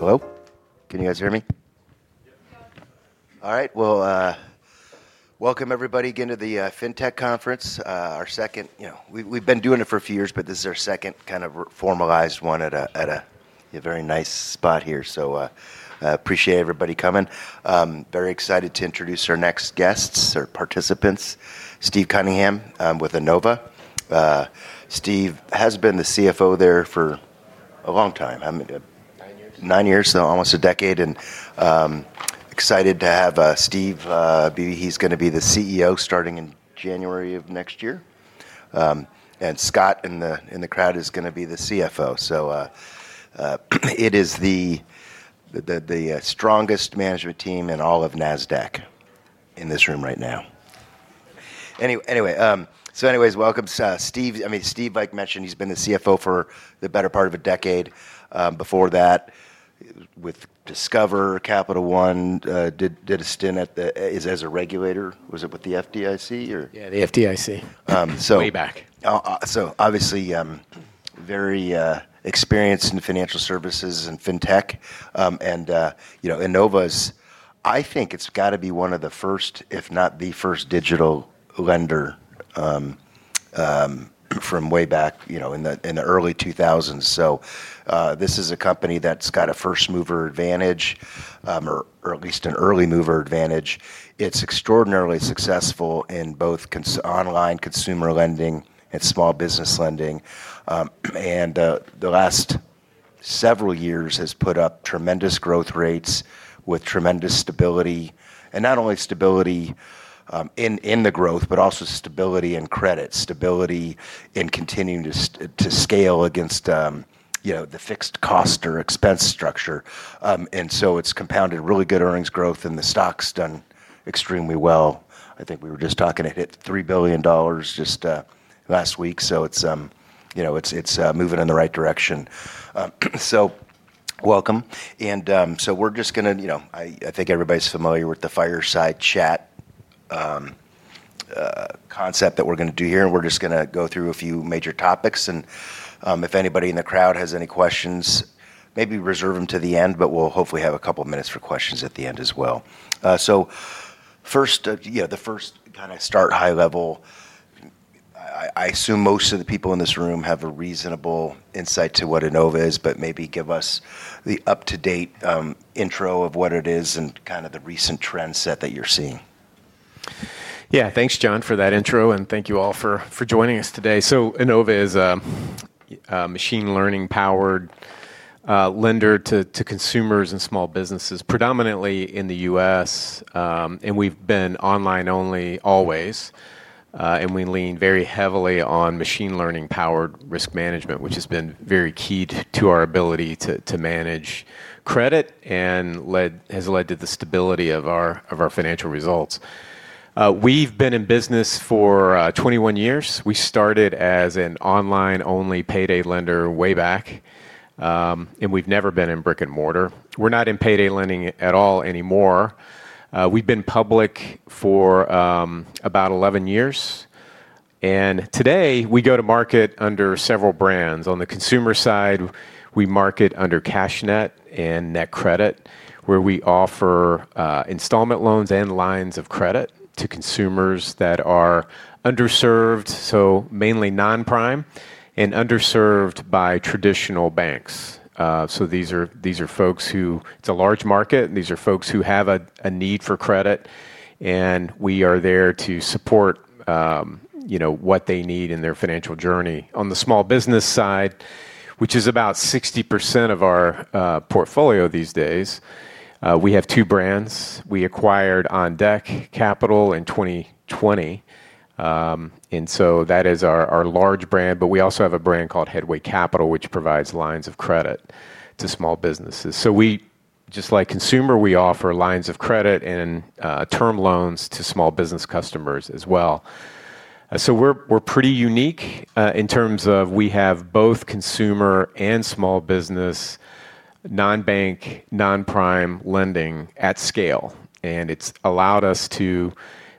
Hello, can you guys hear me? All right, welcome everybody again to the Fintech Conference, our second. We've been doing it for a few years, but this is our second kind of formalized one at a very nice spot here. I appreciate everybody coming. I'm very excited to introduce our next guests or participants, Steve Cunningham with Enova. Steve has been the CFO there for a long time, nine years, so almost a decade. I'm excited to have Steve. He's going to be the CEO starting in January of next year, and Scott in the crowd is going to be the CFO. It is the strongest management team in all of Nasdaq in this room right now. Anyway, welcome, Steve. Like I mentioned, he's been the CFO for the better part of a decade. Before that, with Discover, Capital One, did a stint as a regulator. Was it with the FDIC? Yeah, the FDIC. Way back. Obviously, very experienced in financial services and Fintech. Enova's, I think it's got to be one of the first, if not the first, digital lender from way back, you know, in the early 2000s. This is a company that's got a first-mover advantage, or at least an early- mover advantage. It's extraordinarily successful in both online consumer lending and small business lending. The last several years has put up tremendous growth rates with tremendous stability, not only stability in the growth, but also stability in credit, stability in continuing to scale against, you know, the fixed cost or expense structure. It's compounded really good earnings growth, and the stock's done extremely well. I think we were just talking it hit $3 billion just last week. It's, you know, it's moving in the right direction. Welcome. We're just going to, you know, I think everybody's familiar with the fireside chat concept that we're going to do here. We're just going to go through a few major topics. If anybody in the crowd has any questions, maybe reserve them to the end, but we'll hopefully have a couple of minutes for questions at the end as well. First, you know, the first kind of start high level. I assume most of the people in this room have a reasonable insight to what Enova is, but maybe give us the up-to-date intro of what it is and kind of the recent trendset that you're seeing. Yeah, thanks, John, for that intro. Thank you all for joining us today. Enova is a machine learning-powered lender to consumers and small businesses, predominantly in the U.S. We've been online- only always. We lean very heavily on machine learning-powered risk management, which has been very key to our ability to manage credit and has led to the stability of our financial results. We've been in business for 21 years. We started as an online-only payday lender way back. We've never been in brick and mortar. We're not in payday lending at all anymore. We've been public for about 11 years. Today, we go to market under several brands. On the consumer side, we market under CashNet and NetCredit, where we offer installment loans and lines of credit to consumers that are underserved, so mainly non-prime and underserved by traditional banks. These are folks who, it's a large market, and these are folks who have a need for credit. We are there to support what they need in their financial journey. On the small business side, which is about 60% of our portfolio these days, we have two brands. We acquired OnDeck Capital in 2020, and that is our large brand. We also have a brand called Headway Capital, which provides lines of credit to small businesses. Just like consumer, we offer lines of credit and term loans to small business customers as well. We're pretty unique in terms of we have both consumer and small business non-bank, non-prime lending at scale. It's allowed us to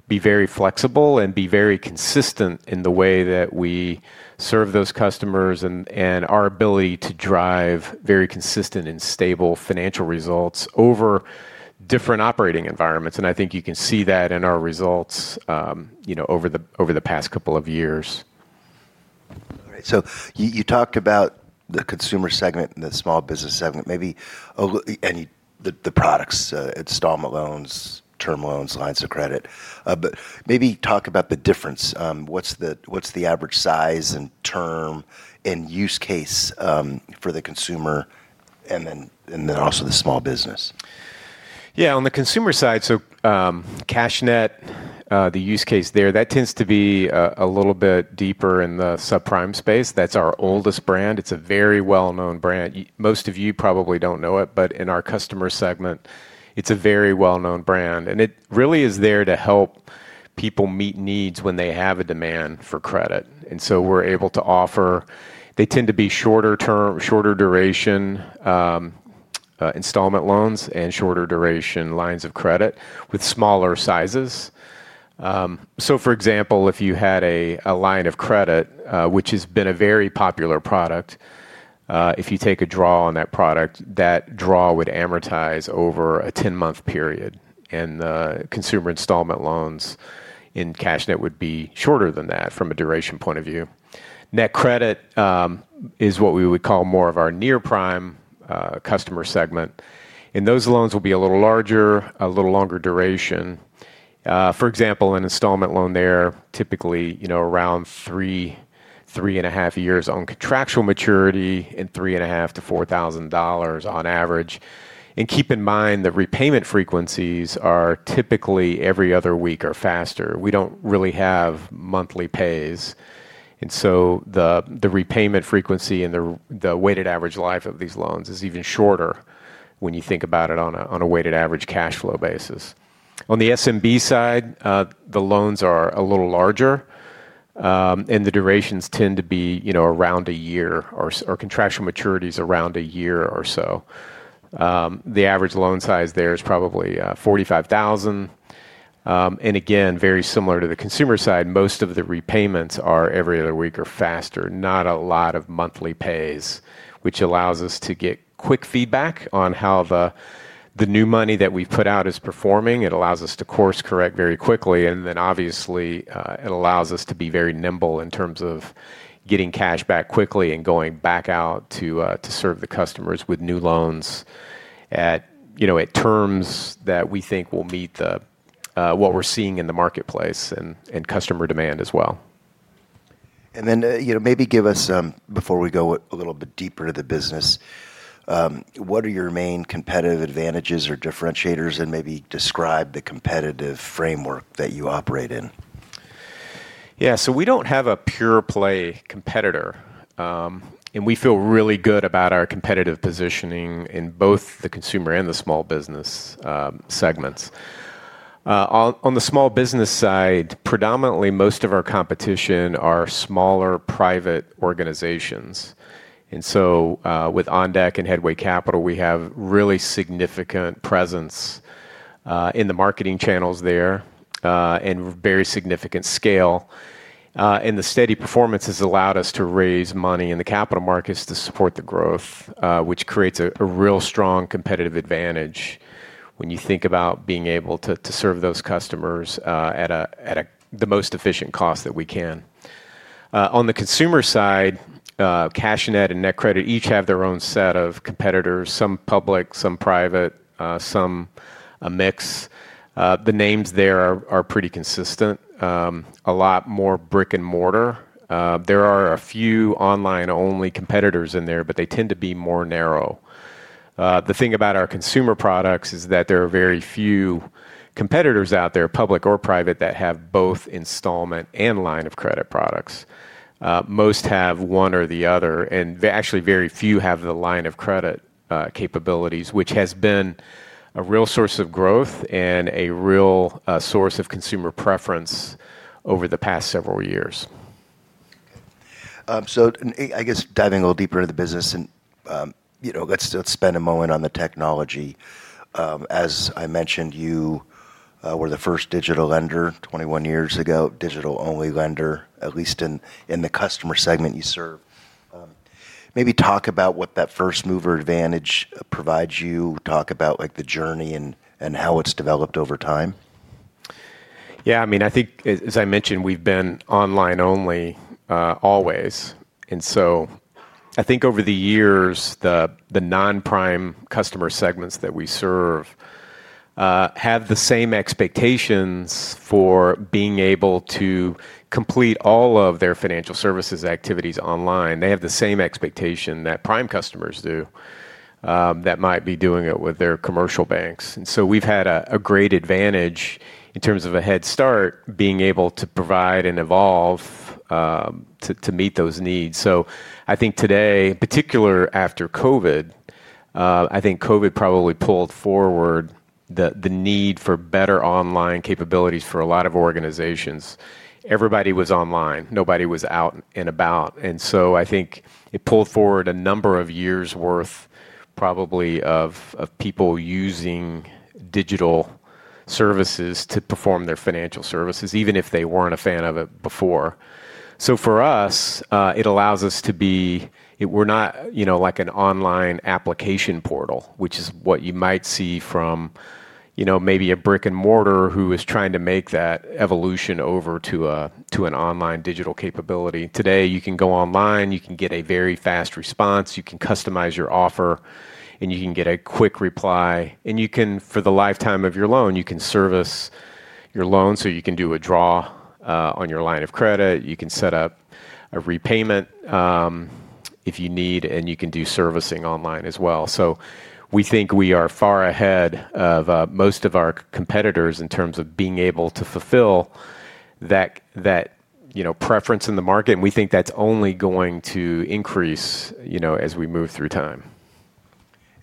be very flexible and be very consistent in the way that we serve those customers and our ability to drive very consistent and stable financial results over different operating environments. I think you can see that in our results over the past couple of years. All right. Y ou talked about the consumer segment and the small business segment, and the products, installment loans, term loans, lines of credit. Maybe talk about the difference. What's the average size and term and use case for the consumer and then also the small business? Yeah. O n the consumer side, so CashNet, the use case there, that tends to be a little bit deeper in the subprime space. That's our oldest brand. It's a very well-known brand. Most of you probably don't know it, but in our customer segment, it's a very well-known brand. It really is there to help people meet needs when they have a demand for credit. We're able to offer, they tend to be shorter duration installment loans and shorter duration lines of credit with smaller sizes. For example, if you had a line of credit, which has been a very popular product, if you take a draw on that product, that draw would amortize over a 10-month period. The consumer installment loans in CashNet would be shorter than that from a duration point of view. NetCredit is what we would call more of our near-prime customer segment. Those loans will be a little larger, a little longer duration. For example, an installment loan there typically, you know, around three, three and a half years on contractual maturity and $3,500- $4,000 on average. Keep in mind the repayment frequencies are typically every other week or faster. We don't really have monthly pays. The repayment frequency and the weighted average life of these loans is even shorter when you think about it on a weighted average cash flow basis. On the SMB side, the loans are a little larger. The durations tend to be, you know, around a year or contractual maturities around a year or so. The average loan size there is probably $45,000. Again, very similar to the consumer side, most of the repayments are every other week or faster, not a lot of monthly pays, which allows us to get quick feedback on how the new money that we've put out is performing. It allows us to course-correct very quickly. Obviously, it allows us to be very nimble in terms of getting cash back quickly and going back out to serve the customers with new loans at terms that we think will meet what we're seeing in the marketplace and customer demand as well. Maybe give us, before we go a little bit deeper to the business, what are your main competitive advantages or differentiators, and maybe describe the competitive framework that you operate in? Yeah. W e don't have a pure play competitor. We feel really good about our competitive positioning in both the consumer and the small business segments. On the small business side, predominantly, most of our competition are smaller private organizations. With OnDeck and Headway Capital, we have really significant presence in the marketing channels there and very significant scale. The steady performance has allowed us to raise money in the capital markets to support the growth, which creates a real strong competitive advantage when you think about being able to serve those customers at the most efficient cost that we can. On the consumer side, CashNet and NetCredit each have their own set of competitors, some public, some private, some a mix. The names there are pretty consistent, a lot more brick and mortar. There are a few online-only competitors in there, but they tend to be more narrow. The thing about our consumer products is that there are very few competitors out there, public or private, that have both installment loans and lines of credit products. Most have one or the other. Actually, very few have the line of credit capabilities, which has been a real source of growth and a real source of consumer preference over the past several years. I guess diving a little deeper into the business, let's spend a moment on the technology. As I mentioned, you were the first digital lender 21 years ago, digital-only lender, at least in the customer segment you serve. Maybe talk about what that first-mover advantage provides you, talk about the journey and how it's developed over time. Yeah. I mean, I think, as I mentioned, we've been online only always. I think over the years, the non-prime customer segments that we serve have the same expectations for being able to complete all of their financial services activities online. They have the same expectation that prime customers do, that might be doing it with their commercial banks. We've had a great advantage in terms of a head start, being able to provide and evolve to meet those needs. I think today, in particular after COVID, I think COVID probably pulled forward the need for better online capabilities for a lot of organizations. Everybody was online. Nobody was out and about. I think it pulled forward a number of years' worth probably of people using digital services to perform their financial services, even if they weren't a fan of it before. For us, it allows us to be, we're not, you know, like an online application portal, which is what you might see from, you know, maybe a brick and mortar who is trying to make that evolution over to an online digital capability. Today, you can go online, you can get a very fast response, you can customize your offer, and you can get a quick reply. For the lifetime of your loan, you can service your loan. You can do a draw on your line of credit, you can set up a repayment if you need, and you can do servicing online as well. We think we are far ahead of most of our competitors in terms of being able to fulfill that preference in the market. We think that's only going to increase as we move through time.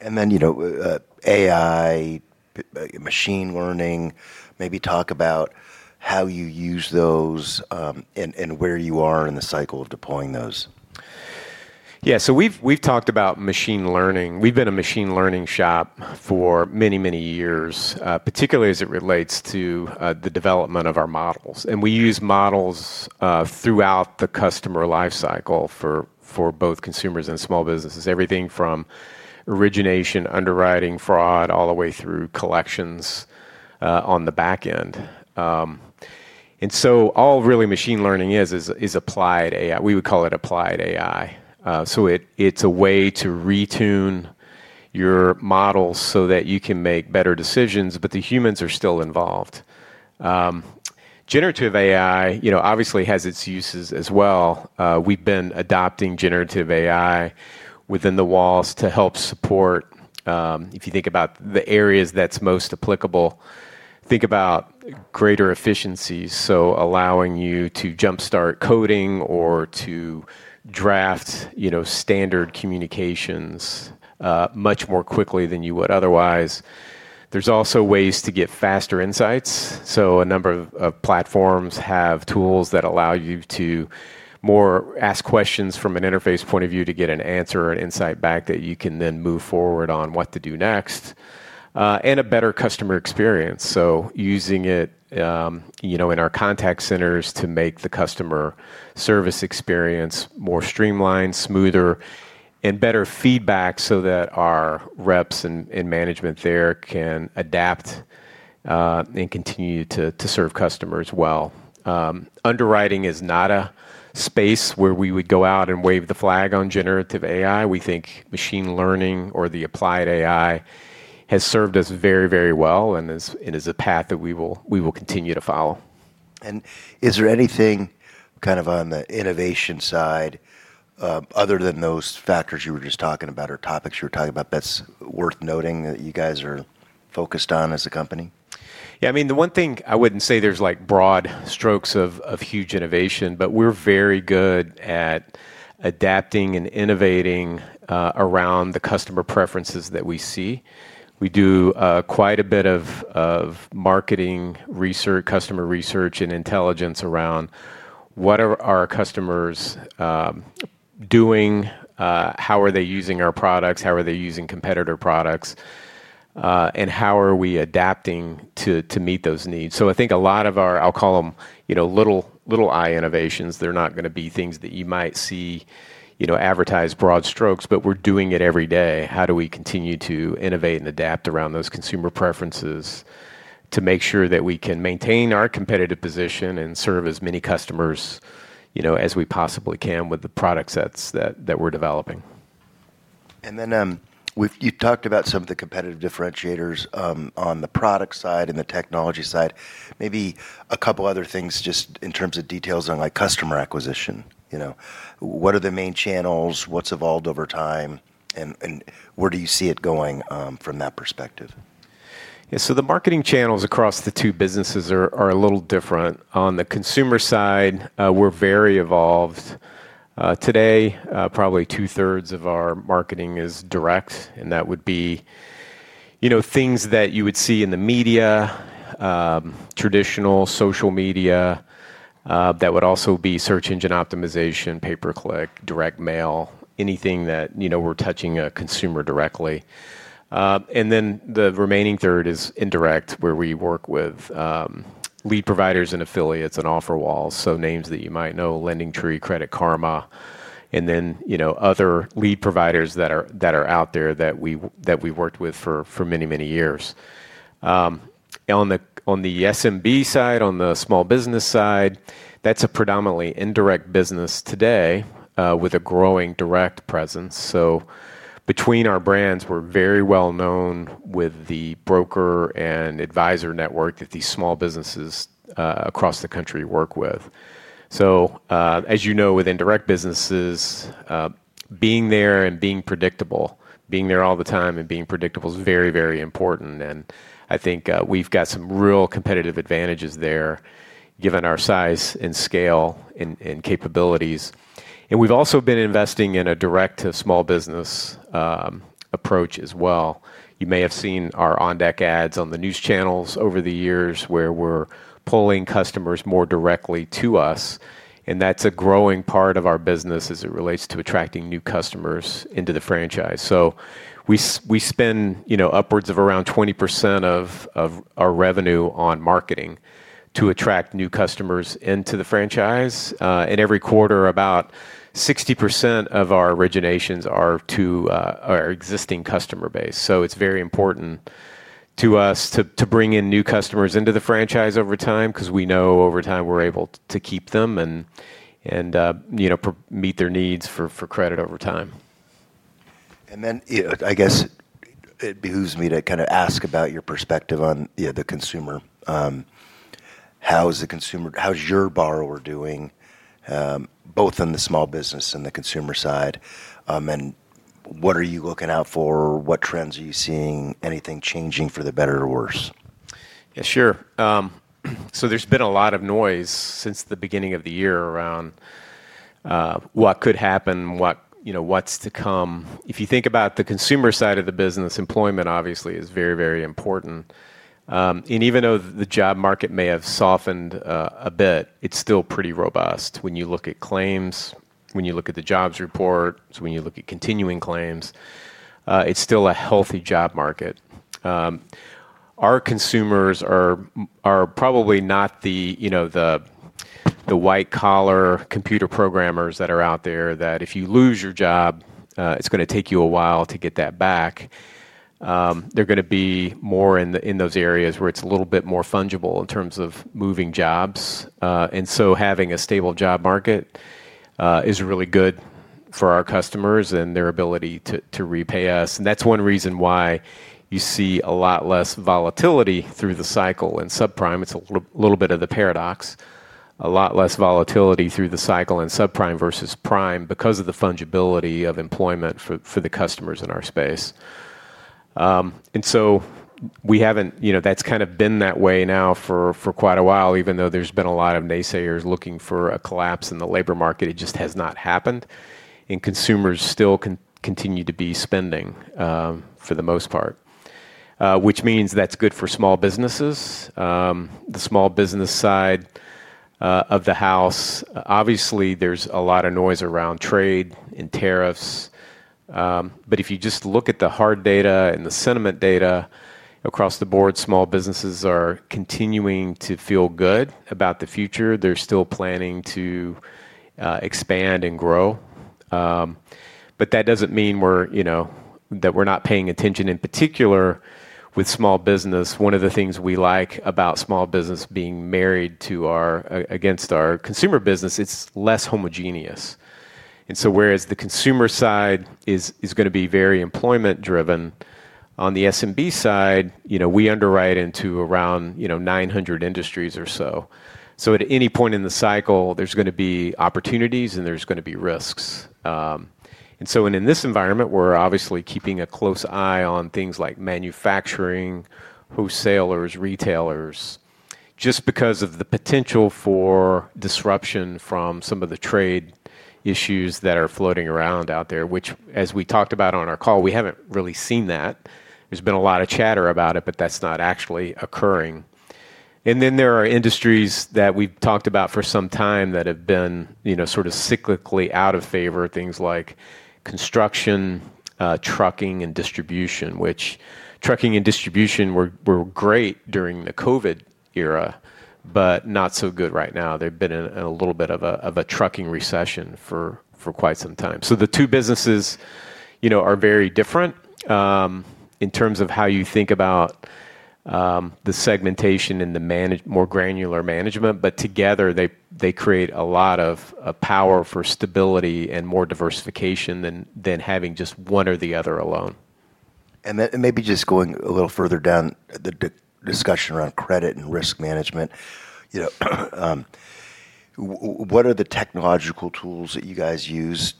You know, AI, machine learning, maybe talk about how you use those and where you are in the cycle of deploying those. Yeah. S o we've talked about machine learning. We've been a machine learning shop for many, many years, particularly as it relates to the development of our models. We use models throughout the customer lifecycle for both consumers and small businesses, everything from origination, underwriting, fraud, all the way through collections on the backend. All really, machine learning is applied AI. We would call it applied AI. It's a way to retune your models so that you can make better decisions, but the humans are still involved. Generative AI obviously has its uses as well. We've been adopting Generative AI within the walls to help support, if you think about the areas that's most applicable, think about greater efficiencies. Allowing you to jumpstart coding or to draft, you know, standard communications much more quickly than you would otherwise. There's also ways to get faster insights. A number of platforms have tools that allow you to more ask questions from an interface point of view to get an answer or an insight back that you can then move forward on what to do next. A better customer experience, using it in our contact centers to make the customer service experience more streamlined, smoother, and better feedback so that our reps and management there can adapt and continue to serve customers well. Underwriting is not a space where we would go out and wave the flag on Generative AI. We think machine learning or the applied AI has served us very, very well and is a path that we will continue to follow. Is there anything on the innovation side other than those factors you were just talking about or topics you were talking about that's worth noting that you guys are focused on as a company? Yeah. I mean, the one thing I wouldn't say is there's like broad strokes of huge innovation, but we're very good at adapting and innovating around the customer preferences that we see. We do quite a bit of marketing research, customer research, and intelligence around what are our customers doing, how are they using our products, how are they using competitor products, and how are we adapting to meet those needs. I think a lot of our, I'll call them, you know, little- eye innovations. They're not going to be things that you might see advertised broad strokes, but we're doing it every day. How do we continue to innovate and adapt around those consumer preferences to make sure that we can maintain our competitive position and serve as many customers as we possibly can with the products that we're developing? You talked about some of the competitive differentiators on the product side and the technology side. Maybe a couple other things just in terms of details on customer acquisition. What are the main channels, what's evolved over time, and where do you see it going from that perspective? Yeah, so the marketing channels across the two businesses are a little different. On the consumer side, we're very evolved. Today, probably 2/3 of our marketing is direct, and that would be, you know, things that you would see in the media, traditional social media. That would also be search engine optimization, pay-per-click, direct mail, anything that, you know, we're touching a consumer directly. The remaining 1/3 is indirect, where we work with lead providers and affiliates and offer walls. Names that you might know, LendingTree, Credit Karma, and then, you know, other lead providers that are out there that we worked with for many, many years. On the SMB side, on the small business side, that's a predominantly indirect business today with a growing direct presence. Between our brands, we're very well known with the broker and advisor network that these small businesses across the country work with. As you know, with indirect businesses, being there and being predictable, being there all the time and being predictable is very, very important. I think we've got some real competitive advantages there, given our size and scale and capabilities. We've also been investing in a direct-to-small-business approach as well. You may have seen our OnDeck ads on the news channels over the years where we're pulling customers more directly to us. That's a growing part of our business as it relates to attracting new customers into the franchise. We spend, you know, upwards of around 20% of our revenue on marketing to attract new customers into the franchise. Every quarter, about 60% of our originations are to our existing customer base. It's very important to us to bring in new customers into the franchise over time because we know over time we're able to keep them and, you know, meet their needs for credit over time. I guess it behooves me to kind of ask about your perspective on the consumer. How is the consumer, how's your borrower doing both in the small business and the consumer side? What are you looking out for? What trends are you seeing? Anything changing for the better or worse? Yeah, sure. There's been a lot of noise since the beginning of the year around what could happen, what's to come. If you think about the consumer side of the business, employment obviously is very, very important. Even though the job market may have softened a bit, it's still pretty robust. When you look at claims, when you look at the jobs report, when you look at continuing claims, it's still a healthy job market. Our consumers are probably not the white-collar computer programmers that are out there that if you lose your job, it's going to take you a while to get that back. They're going to be more in those areas where it's a little bit more fungible in terms of moving jobs. Having a stable job market is really good for our customers and their ability to repay us. That's one reason why you see a lot less volatility through the cycle in subprime. It's a little bit of the paradox, a lot less volatility through the cycle in subprime versus prime because of the fungibility of employment for the customers in our space. That has kind of been that way now for quite a while, even though there's been a lot of naysayers looking for a collapse in the labor market. It just has not happened. Consumers still continue to be spending for the most part, which means that's good for small businesses. The small business side of the house, obviously, there's a lot of noise around trade and tariffs. If you just look at the hard data and the sentiment data across the board, small businesses are continuing to feel good about the future. They're still planning to expand and grow. That doesn't mean we're not paying attention. In particular, with small business, one of the things we like about small business being married to our consumer business, it's less homogeneous. Whereas the consumer side is going to be very employment-driven, on the SMB side, we underwrite into around 900 industries or so. At any point in the cycle, there's going to be opportunities and there's going to be risks. In this environment, we're obviously keeping a close eye on things like manufacturing, wholesalers, retailers, just because of the potential for disruption from some of the trade issues that are floating around out there, which, as we talked about on our call, we haven't really seen that. There's been a lot of chatter about it, but that's not actually occurring. There are industries that we've talked about for some time that have been, you know, sort of cyclically out of favor, things like construction, trucking, and distribution, which trucking and distribution were great during the COVID era, but not so good right now. They've been in a little bit of a trucking recession for quite some time. The two businesses, you know, are very different in terms of how you think about the segmentation and the more granular management, but together they create a lot of power for stability and more diversification than having just one or the other alone. Maybe just going a little further down the discussion around credit and risk management, what are the technological tools that you guys use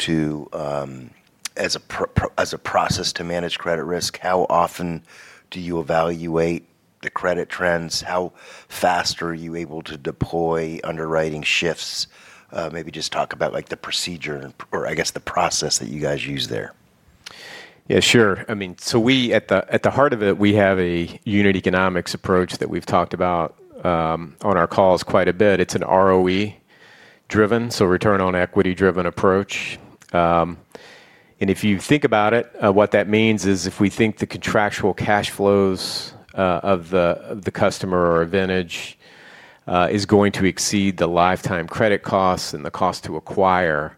as a process to manage credit risk? How often do you evaluate the credit trends? How fast are you able to deploy underwriting shifts? Maybe just talk about the procedure or I guess the process that you guys use there. Yeah, sure. I mean, at the heart of it, we have a unit economics approach that we've talked about on our calls quite a bit. It's an ROE-driven, so return on equity-driven approach. If you think about it, what that means is if we think the contractual cash flows of the customer or advantage is going to exceed the lifetime credit costs and the cost to acquire,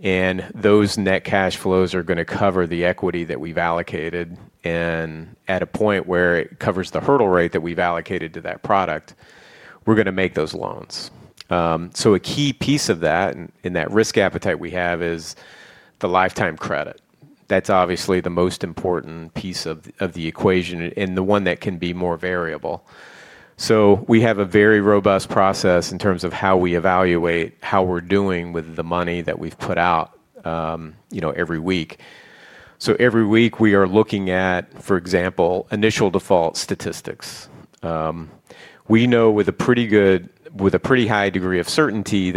and those net cash flows are going to cover the equity that we've allocated, at a point where it covers the hurdle rate that we've allocated to that product, we're going to make those loans. A key piece of that in that risk appetite we have is the lifetime credit. That's obviously the most important piece of the equation and the one that can be more variable. We have a very robust process in terms of how we evaluate how we're doing with the money that we've put out every week. Every week we are looking at, for example, initial default statistics. We know with a pretty high degree of certainty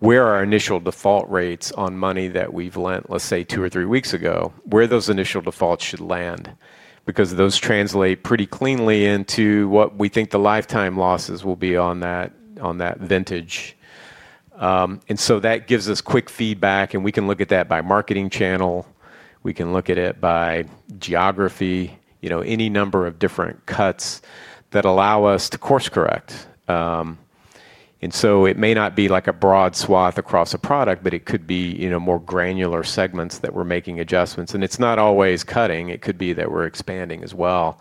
where our initial default rates on money that we've lent, let's say, two or three weeks ago, where those initial defaults should land, because those translate pretty cleanly into what we think the lifetime losses will be on that vintage. That gives us quick feedback, and we can look at that by marketing channel. We can look at it by geography, any number of different cuts that allow us to course-correct. It may not be like a broad swath across a product, but it could be more granular segments that we're making adjustments. It's not always cutting. It could be that we're expanding as well.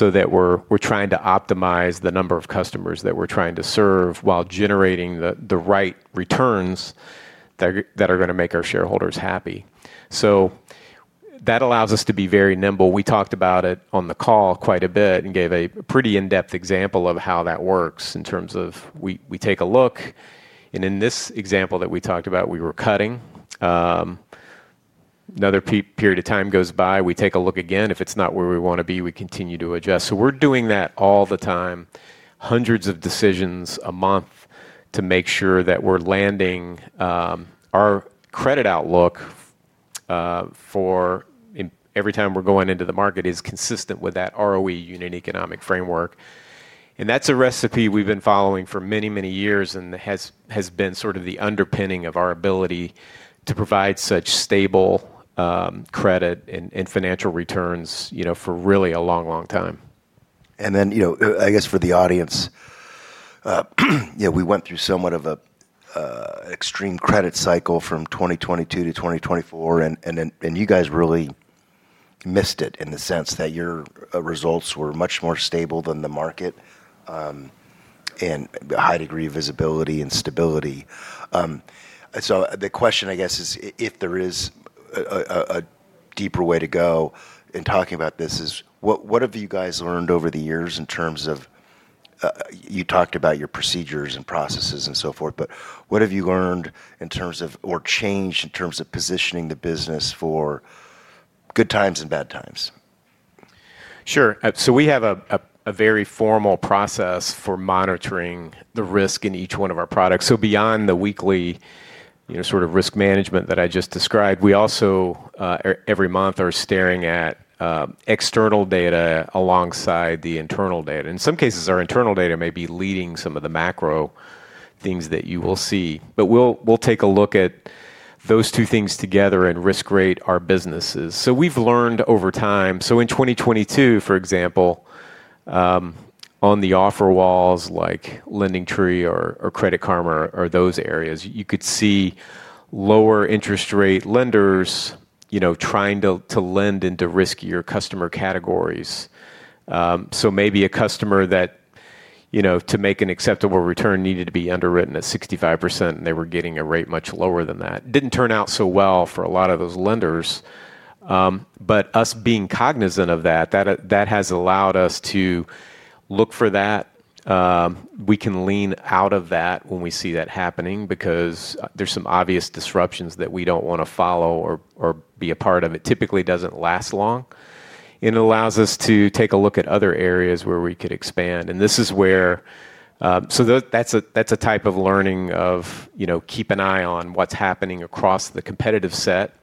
We're trying to optimize the number of customers that we're trying to serve while generating the right returns that are going to make our shareholders happy. That allows us to be very nimble. We talked about it on the call quite a bit and gave a pretty in-depth example of how that works in terms of we take a look. In this example that we talked about, we were cutting. Another period of time goes by, we take a look again. If it's not where we want to be, we continue to adjust. We're doing that all the time, hundreds of decisions a month to make sure that we're landing our credit outlook for every time we're going into the market is consistent with that ROE unit economic framework. That's a recipe we've been following for many, many years and has been sort of the underpinning of our ability to provide such stable credit and financial returns for really a long, long time. I guess for the audience, we went through somewhat of an extreme credit cycle from 2022- 2024, and you guys really missed it in the sense that your results were much more stable than the market and a high degree of visibility and stability. The question, I guess, is if there is a deeper way to go in talking about this, what have you guys learned over the years in terms of, you talked about your procedures and processes and so forth, but what have you learned in terms of or changed in terms of positioning the business for good times and bad times? Sure. We have a very formal process for monitoring the risk in each one of our products. Beyond the weekly risk management that I just described, we also, every month, are staring at external data alongside the internal data. In some cases, our internal data may be leading some of the macro things that you will see, but we will take a look at those two things together and risk rate our businesses. We have learned over time. In 2022, for example, on the offer walls, like LendingTree or Credit Karma or those areas, you could see lower interest rate lenders trying to lend into riskier customer categories. Maybe a customer that, to make an acceptable return, needed to be underwritten at 65%, and they were getting a rate much lower than that. It did not turn out so well for a lot of those lenders. Us being cognizant of that has allowed us to look for that. We can lean out of that when we see that happening because there are some obvious disruptions that we do not want to follow or be a part of. It typically does not last long. It allows us to take a look at other areas where we could expand. That is a type of learning of keeping an eye on what is happening across the competitive set.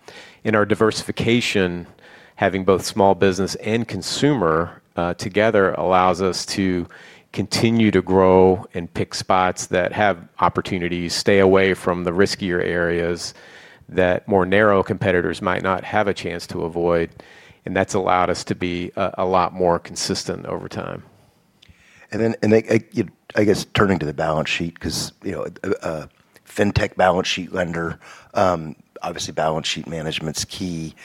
In our diversification, having both small business and consumer together allows us to continue to grow and pick spots that have opportunities, stay away from the riskier areas that more narrow competitors might not have a chance to avoid. That has allowed us to be a lot more consistent over time. Turning to the balance sheet, because, you know, a Fintech balance sheet lender, obviously, balance sheet management's key.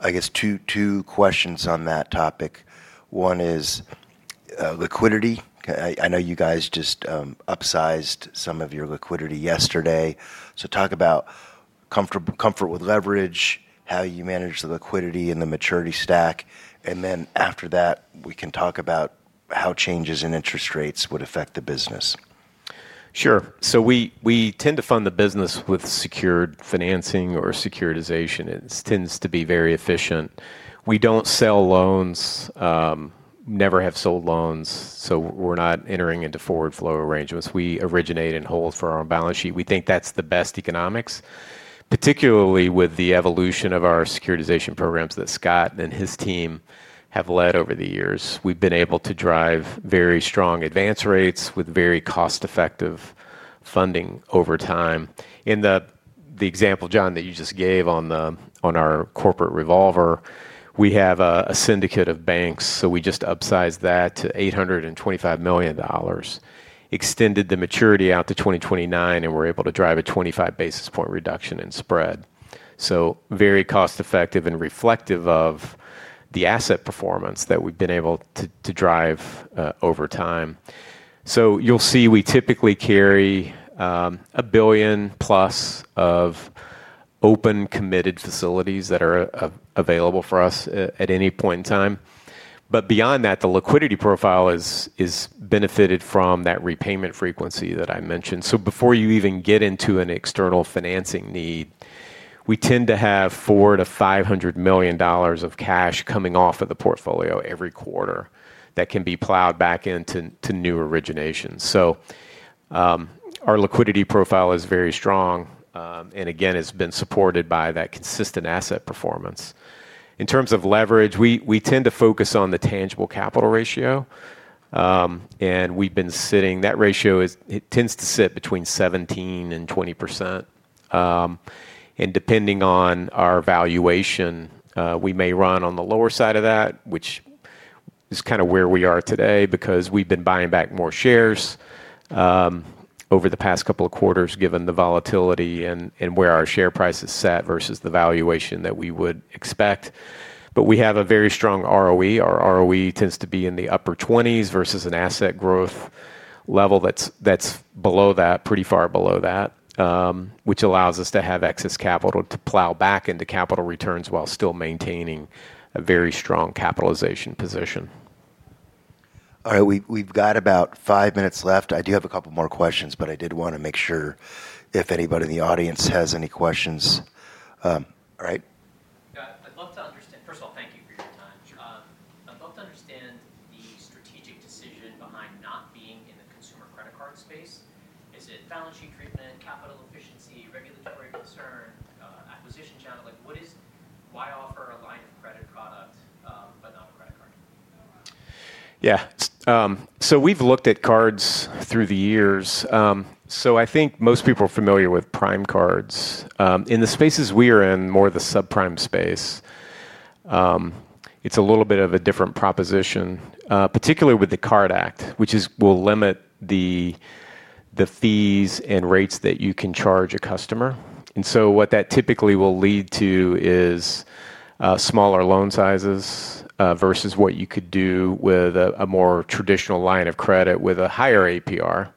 I guess two questions on that topic. One is liquidity. I know you guys just upsized some of your liquidity yesterday. Talk about comfort with leverage, how you manage the liquidity and the maturity stack. After that, we can talk about how changes in interest rates would affect the business. Sure. We tend to fund the business with secured financing or securitization. It tends to be very efficient. We don't sell loans, never have sold loans. We're not entering into forward- flow arrangements. We originate and hold for our balance sheet. We think that's the best economics, particularly with the evolution of our securitization programs that Scott and his team have led over the years. We've been able to drive very strong advance rates with very cost-effective funding over time. In the example, John, that you just gave on our corporate revolver, we have a syndicate of banks. We just upsized that to $825 million, extended the maturity out to 2029, and we're able to drive a 25 basis point reduction in spread. It is very cost-effective and reflective of the asset performance that we've been able to drive over time. You'll see we typically carry $1 billion+ of open committed facilities that are available for us at any point in time. Beyond that, the liquidity profile has benefited from that repayment frequency that I mentioned. Before you even get into an external financing need, we tend to have $400 million- $500 million of cash coming off of the portfolio every quarter that can be plowed back into new originations. Our liquidity profile is very strong. Again, it's been supported by that consistent asset performance. In terms of leverage, we tend to focus on the tangible capital ratio. That ratio tends to sit between 17% and 20%. Depending on our valuation, we may run on the lower side of that, which is kind of where we are today because we've been buying back more shares over the past couple of quarters, given the volatility and where our share price is set versus the valuation that we would expect. We have a very strong ROE. Our ROE tends to be in the upper 20s versus an asset growth level that's below that, pretty far below that, which allows us to have excess capital to plow back into capital returns while still maintaining a very strong capitalization position. All right, we've got about five minutes left. I do have a couple more questions, but I did want to make sure if anybody in the audience has any questions. All right. Understood. First of all, thank you for your time. I'd love to understand the strategic decision behind not being in the consumer credit card space. Is it balance sheet treatment, capital efficiency, regulatory concern, acquisition channel? What is, why offer a line of credit product? Yeah, we've looked at cards through the years. I think most people are familiar with prime cards. In the spaces we are in, more of the subprime space, it's a little bit of a different proposition, particularly with the Card Act, which will limit the fees and rates that you can charge a customer. What that typically will lead to is smaller loan sizes versus what you could do with a more traditional line of credit with a higher APR.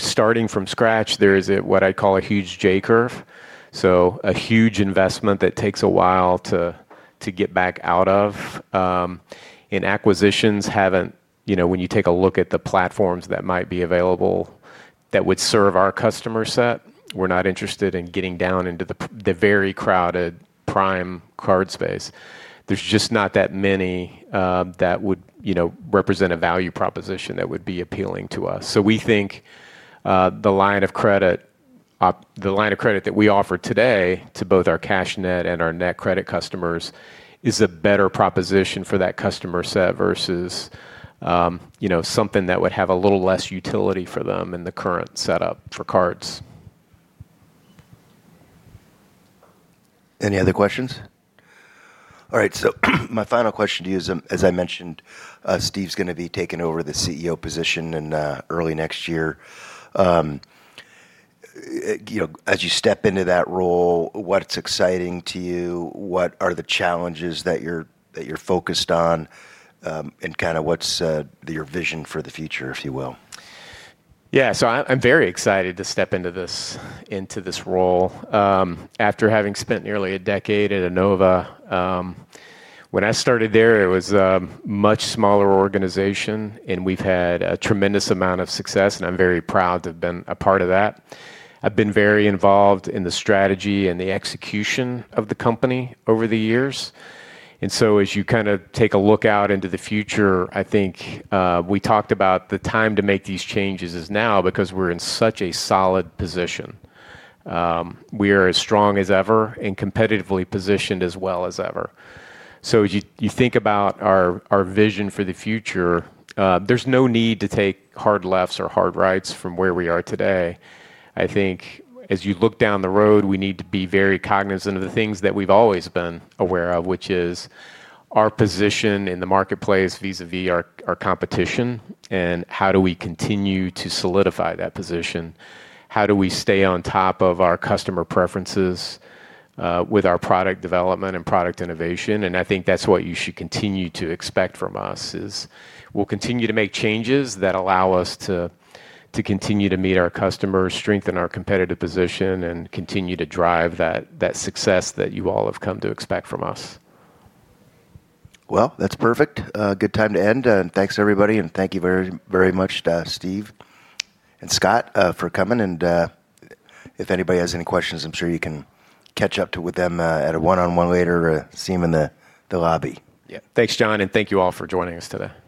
Starting from scratch, there is what I call a huge J curve, a huge investment that takes a while to get back out of. Acquisitions haven't, when you take a look at the platforms that might be available that would serve our customer set, we're not interested in getting down into the very crowded prime card space. There's just not that many that would represent a value proposition that would be appealing to us. We think the line of credit, the line of credit that we offer today to both our CashNet and our NetCredit customers, is a better proposition for that customer set versus something that would have a little less utility for them in the current setup for cards. Any other questions? All right, my final question to you is, as I mentioned, Steve's going to be taking over the CEO position in early next year. As you step into that role, what's exciting to you? What are the challenges that you're focused on? What's your vision for the future, if you will? Yeah, so I'm very excited to step into this role. After having spent nearly a decade at Enova, when I started there, it was a much smaller organization, and we've had a tremendous amount of success, and I'm very proud to have been a part of that. I've been very involved in the strategy and the execution of the company over the years. As you kind of take a look out into the future, I think we talked about the time to make these changes is now because we're in such a solid position. We are as strong as ever and competitively positioned as well as ever. As you think about our vision for the future, there's no need to take hard lefts or hard rights from where we are today. I think as you look down the road, we need to be very cognizant of the things that we've always been aware of, which is our position in the marketplace vis-à-vis our competition, and how do we continue to solidify that position? How do we stay on top of our customer preferences with our product development and product innovation? I think that's what you should continue to expect from us is we'll continue to make changes that allow us to continue to meet our customers, strengthen our competitive position, and continue to drive that success that you all have come to expect from us. That's perfect. Good time to end. Thank you, everybody. Thank you very, very much, Steve and Scott, for coming. If anybody has any questions, I'm sure you can catch up with them at a one-on-one later or see them in the lobby. Yeah, thanks, John. Thank you all for joining us today.